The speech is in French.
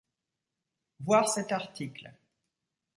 Voir cet article.